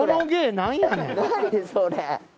何それ！